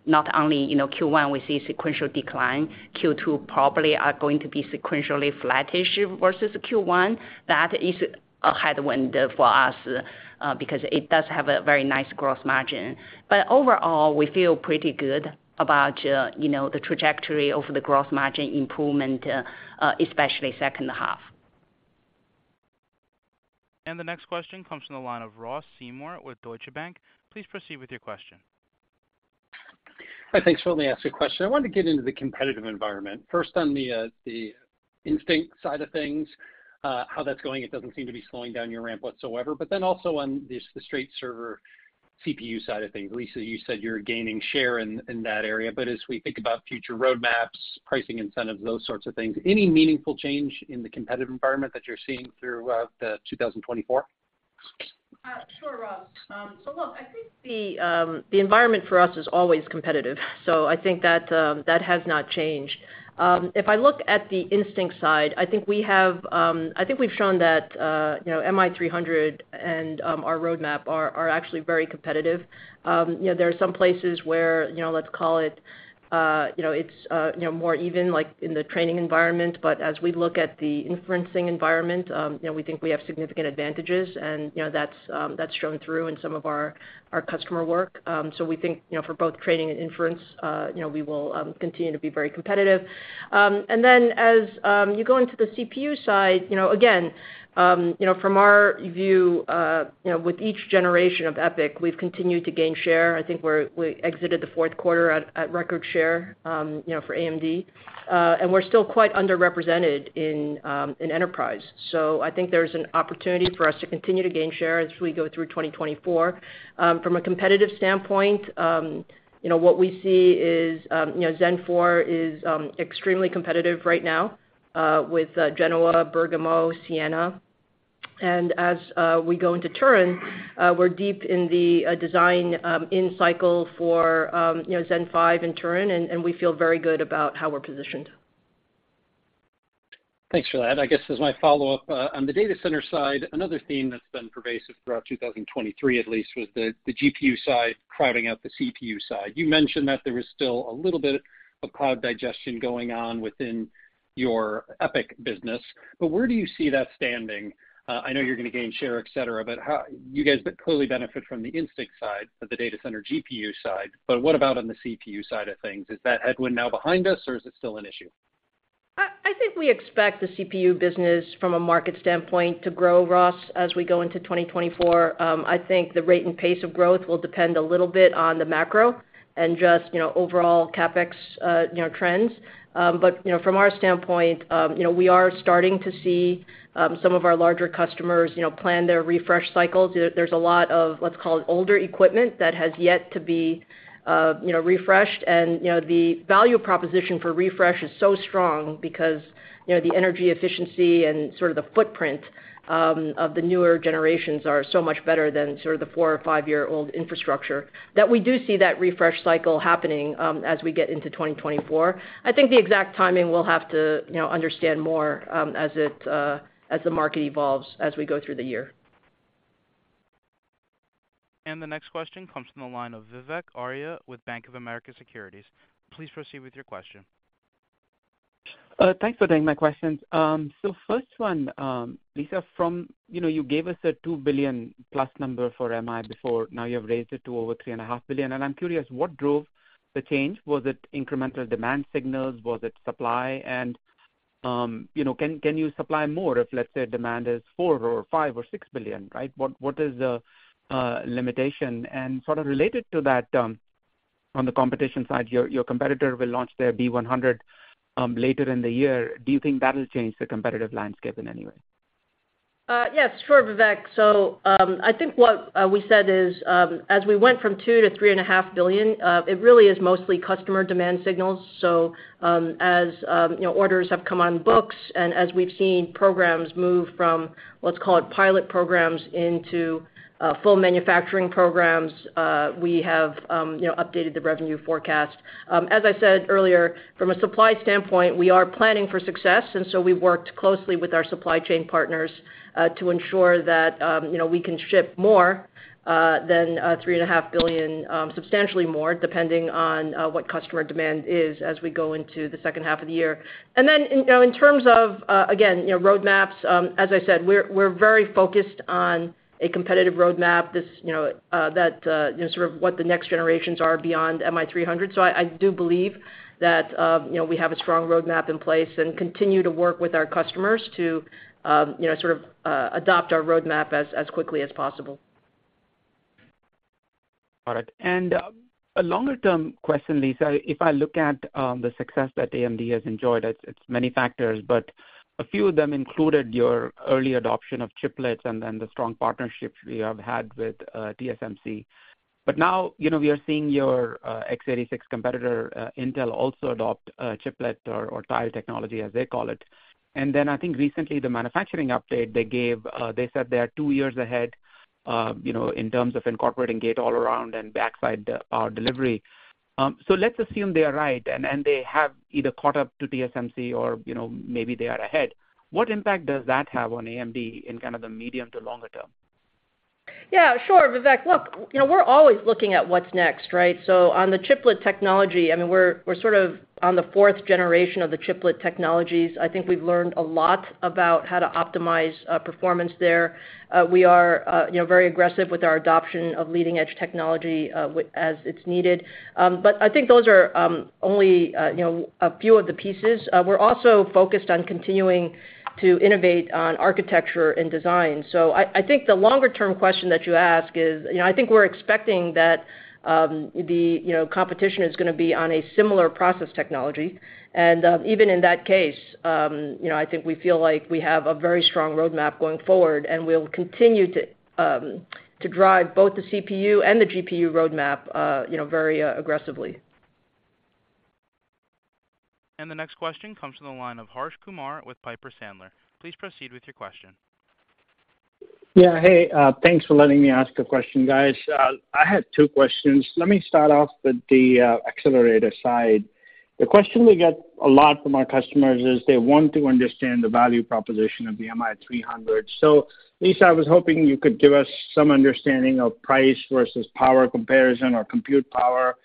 not only, you know, Q1, we see sequential decline. Q2 probably are going to be sequentially flattish versus Q1. That is a headwind for us, because it does have a very nice gross margin. But overall, we feel pretty good about, you know, the trajectory of the gross margin improvement, especially second half. The next question comes from the line of Ross Seymour with Deutsche Bank. Please proceed with your question. Hi, thanks for letting me ask a question. I wanted to get into the competitive environment. First, on the, the Instinct side of things, how that's going. It doesn't seem to be slowing down your ramp whatsoever, but then also on the straight server CPU side of things. Lisa, you said you're gaining share in, in that area, but as we think about future roadmaps, pricing incentives, those sorts of things, any meaningful change in the competitive environment that you're seeing throughout, 2024? Sure, Ross. So look, I think the environment for us is always competitive, so I think that has not changed. If I look at the Instinct side, I think we have, I think we've shown that, you know, MI300 and our roadmap are actually very competitive. You know, there are some places where, you know, let's call it, you know, it's more even like in the training environment. But as we look at the inferencing environment, you know, we think we have significant advantages, and, you know, that's shown through in some of our customer work. So we think, you know, for both training and inference, you know, we will continue to be very competitive. And then as you go into the CPU side, you know, again, you know, from our view, you know, with each generation of EPYC, we've continued to gain share. I think we exited the fourth quarter at record share, you know, for AMD, and we're still quite underrepresented in enterprise. So I think there's an opportunity for us to continue to gain share as we go through 2024. From a competitive standpoint, you know, what we see is, you know, Zen 4 is extremely competitive right now, with Genoa, Bergamo, Siena. And as we go into Turin, we're deep in the design-in cycle for, you know, Zen 5 in Turin, and we feel very good about how we're positioned. Thanks for that. I guess as my follow-up on the data center side, another theme that's been pervasive throughout 2023, at least, was the GPU side crowding out the CPU side. You mentioned that there was still a little bit of cloud digestion going on within your EPYC business, but where do you see that standing? I know you're gonna gain share, et cetera, but how— you guys clearly benefit from the Instinct side of the data center GPU side, but what about on the CPU side of things? Is that headwind now behind us, or is it still an issue? I think we expect the CPU business, from a market standpoint, to grow, Ross, as we go into 2024. I think the rate and pace of growth will depend a little bit on the macro and just, you know, overall CapEx, you know, trends. But, you know, from our standpoint, you know, we are starting to see some of our larger customers, you know, plan their refresh cycles. There's a lot of, let's call it, older equipment that has yet to be, you know, refreshed. And, you know, the value proposition for refresh is so strong because, you know, the energy efficiency and sort of the footprint of the newer generations are so much better than sort of the four- or five-year-old infrastructure, that we do see that refresh cycle happening, as we get into 2024. I think the exact timing, we'll have to, you know, understand more, as the market evolves, as we go through the year. The next question comes from the line of Vivek Arya with Bank of America Securities. Please proceed with your question. Thanks for taking my questions. So first one, Lisa, from—you know, you gave us a $2,000,000,000+ number for MI before, now you have raised it to over $3,500,000,000. And I'm curious, what drove the change? Was it incremental demand signals? Was it supply? And, you know, can, can you supply more if, let's say, demand is $4,000,000,000, $5,000,000,000, or $6,000,000,000, right? What, what is the, limitation? And sort of related to that, on the competition side, your, your competitor will launch their B100, later in the year. Do you think that will change the competitive landscape in any way? Yes, sure, Vivek. So, I think what we said is, as we went from $2,000,000,000 to $3,500,000,000, it really is mostly customer demand signals. So, as you know, orders have come on books and as we've seen programs move from, let's call it, pilot programs into full manufacturing programs, we have, you know, updated the revenue forecast. As I said earlier, from a supply standpoint, we are planning for success, and so we've worked closely with our supply chain partners, to ensure that, you know, we can ship more than $3,500,000,000, substantially more, depending on what customer demand is as we go into the second half of the year. And then, you know, in terms of, again, you know, roadmaps, as I said, we're very focused on a competitive roadmap, this, you know, that, you know, sort of what the next generations are beyond MI300. So I do believe that, you know, we have a strong roadmap in place and continue to work with our customers to, you know, sort of, adopt our roadmap as quickly as possible. All right. And a longer-term question, Lisa. If I look at the success that AMD has enjoyed, it's, it's many factors, but a few of them included your early adoption of chiplets and then the strong partnerships you have had with TSMC. But now, you know, we are seeing your x86 competitor, Intel, also adopt chiplet or tile technology, as they call it. And then I think recently, the manufacturing update they gave, they said they are 2 years ahead, you know, in terms of incorporating gate-all-around and backside delivery. So let's assume they are right, and, and they have either caught up to TSMC or, you know, maybe they are ahead. What impact does that have on AMD in kind of the medium to longer term? Yeah, sure, Vivek. Look, you know, we're always looking at what's next, right? So on the chiplet technology, I mean, we're, we're sort of on the fourth generation of the chiplet technologies. I think we've learned a lot about how to optimize performance there. We are, you know, very aggressive with our adoption of leading-edge technology as it's needed. But I think those are only, you know, a few of the pieces. We're also focused on continuing to innovate on architecture and design. So I think the longer-term question that you ask is... You know, I think we're expecting that the, you know, competition is gonna be on a similar process technology. And even in that case, you know, I think we feel like we have a very strong roadmap going forward, and we'll continue to drive both the CPU and the GPU roadmap, you know, very aggressively. The next question comes from the line of Harsh Kumar with Piper Sandler. Please proceed with your question. Yeah, hey, thanks for letting me ask a question, guys. I had two questions. Let me start off with the accelerator side. The question we get a lot from our customers is they want to understand the value proposition of the MI300. So Lisa, I was hoping you could give us some understanding of price versus power comparison or compute power.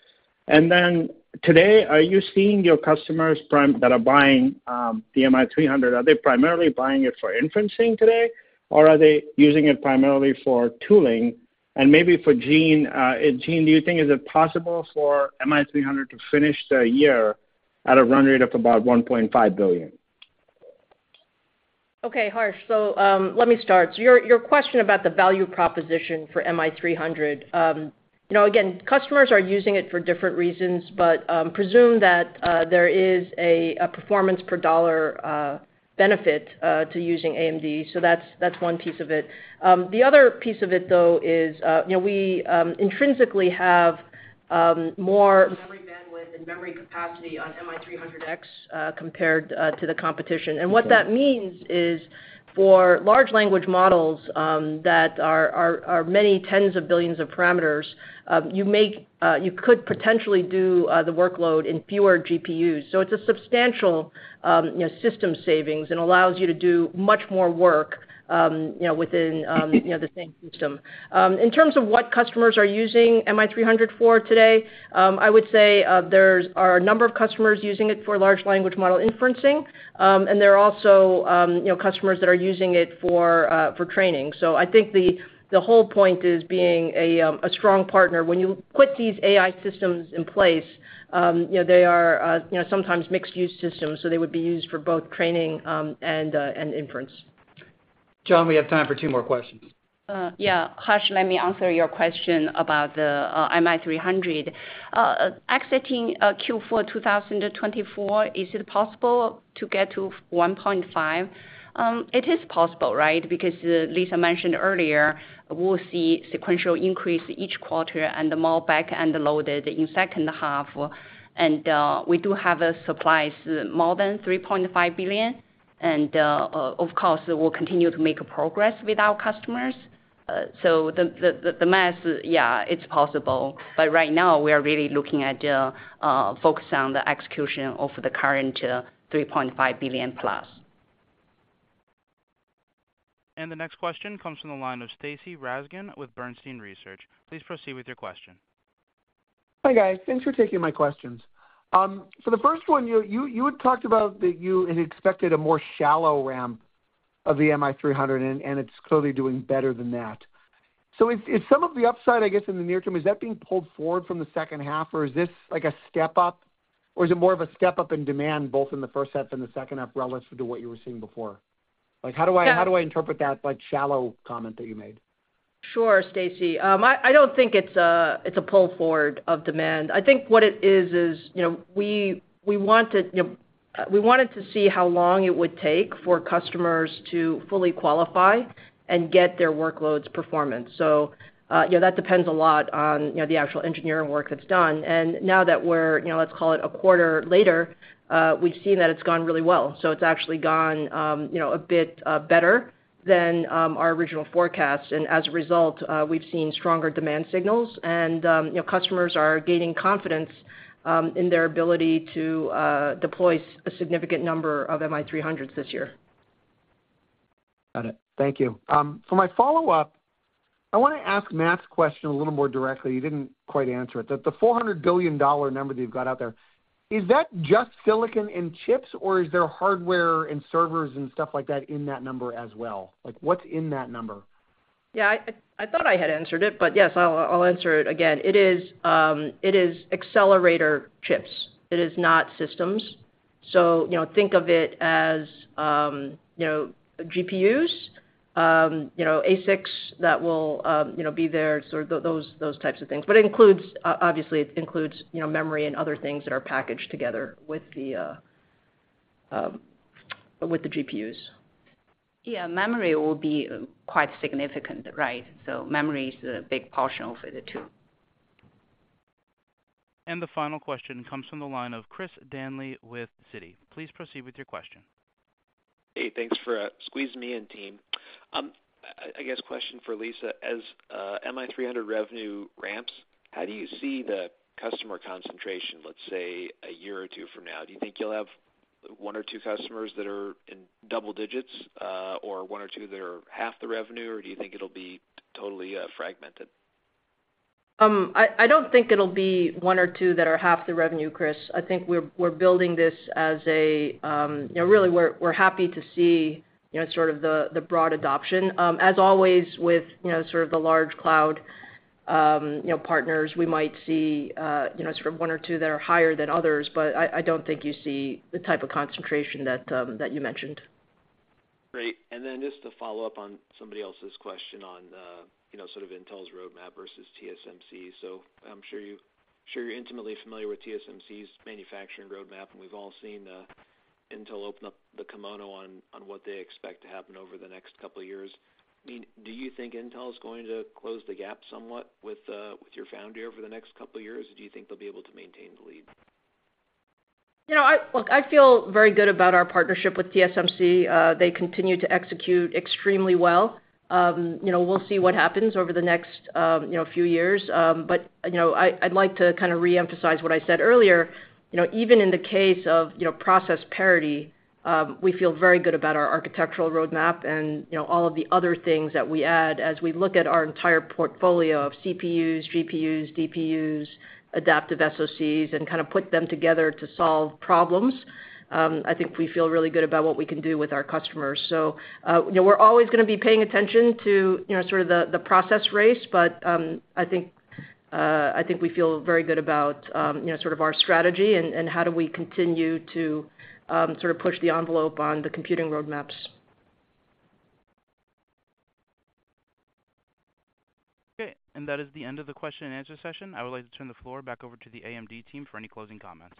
And then, today, are you seeing your customers primarily that are buying the MI300, are they primarily buying it for inferencing today, or are they using it primarily for training? And maybe for Jean, and Jean, do you think is it possible for MI300 to finish the year at a run rate of about $1,500,000,000? Okay, Harsh, so, let me start. So your question about the value proposition for MI300. You know, again, customers are using it for different reasons, but, presume that there is a performance per dollar benefit to using AMD. So that's one piece of it. The other piece of it, though, is, you know, we intrinsically have more memory capacity on MI300X, compared to the competition. And what that means is, for large language models that are many tens of billions of parameters, you could potentially do the workload in fewer GPUs. So it's a substantial, you know, system savings and allows you to do much more work, you know, within the same system. In terms of what customers are using MI300 for today, I would say, there are a number of customers using it for large language model inferencing. And there are also, you know, customers that are using it for training. So I think the whole point is being a strong partner. When you put these AI systems in place, you know, they are, you know, sometimes mixed-use systems, so they would be used for both training and inference. John, we have time for two more questions. Yeah, Harsh, let me answer your question about the MI300. Exiting Q4 2024, is it possible to get to $1.5? It is possible, right? Because Lisa mentioned earlier, we'll see sequential increase each quarter and the more back-ended loaded in second half. And we do have the supplies more than $3,500,000,000. And of course, we'll continue to make progress with our customers. So the math, yeah, it's possible, but right now we are really looking at focusing on the execution of the current $3,500,000,000 plus. The next question comes from the line of Stacy Rasgon with Bernstein Research. Please proceed with your question. Hi, guys. Thanks for taking my questions. So the first one, you had talked about that you had expected a more shallow ramp of the MI300, and it's clearly doing better than that. So if some of the upside, I guess, in the near term, is that being pulled forward from the second half, or is this like a step up, or is it more of a step up in demand, both in the first half and the second half, relative to what you were seeing before? Like, how do I- So- How do I interpret that, like, shallow comment that you made? Sure, Stacy. I don't think it's a pull forward of demand. I think what it is, is, you know, we wanted, you know, we wanted to see how long it would take for customers to fully qualify and get their workloads performance. So, you know, that depends a lot on, you know, the actual engineering work that's done. And now that we're, you know, let's call it a quarter later, we've seen that it's gone really well. So it's actually gone, you know, a bit better than our original forecast. And as a result, we've seen stronger demand signals and, you know, customers are gaining confidence in their ability to deploy a significant number of MI300s this year. Got it. Thank you. For my follow-up, I wanna ask Matt's question a little more directly. You didn't quite answer it. The $400,000,000,000 number that you've got out there, is that just silicon and chips, or is there hardware and servers and stuff like that in that number as well? Like, what's in that number? Yeah, I thought I had answered it, but yes, I'll answer it again. It is accelerator chips. It is not systems. So, you know, think of it as, you know, GPUs, you know, ASICs that will, you know, be there, sort of those types of things. But it includes, obviously it includes, you know, memory and other things that are packaged together with the GPUs. Yeah, memory will be quite significant, right? So memory is a big portion of the two. The final question comes from the line of Chris Danley with Citi. Please proceed with your question. Hey, thanks for squeezing me in, team. I guess question for Lisa. As MI300 revenue ramps, how do you see the customer concentration, let's say, a year or two from now? Do you think you'll have one or two customers that are in double digits, or one or two that are half the revenue, or do you think it'll be totally fragmented? I don't think it'll be one or two that are half the revenue, Chris. I think we're building this as a... You know, really, we're happy to see, you know, sort of the broad adoption. As always, with you know sort of the large cloud, you know, partners, we might see, you know, sort of one or two that are higher than others, but I don't think you see the type of concentration that you mentioned. Great. And then just to follow up on somebody else's question on, you know, sort of Intel's roadmap versus TSMC. So I'm sure you're intimately familiar with TSMC's manufacturing roadmap, and we've all seen, Intel open up the kimono on what they expect to happen over the next couple of years. I mean, do you think Intel is going to close the gap somewhat with, with your foundry over the next couple of years, or do you think they'll be able to maintain the lead? You know, I look, I feel very good about our partnership with TSMC. They continue to execute extremely well. You know, we'll see what happens over the next, you know, few years. But, you know, I, I'd like to kind of reemphasize what I said earlier. You know, even in the case of, you know, process parity, we feel very good about our architectural roadmap and, you know, all of the other things that we add as we look at our entire portfolio of CPUs, GPUs, DPUs, adaptive SoCs, and kind of put them together to solve problems. I think we feel really good about what we can do with our customers. So, you know, we're always gonna be paying attention to, you know, sort of the process race, but I think we feel very good about, you know, sort of our strategy and how do we continue to sort of push the envelope on the computing roadmaps. Okay, and that is the end of the question and answer session. I would like to turn the floor back over to the AMD team for any closing comments.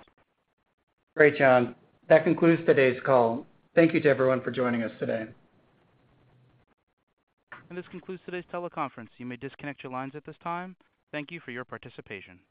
Great, John. That concludes today's call. Thank you to everyone for joining us today. This concludes today's teleconference. You may disconnect your lines at this time. Thank you for your participation.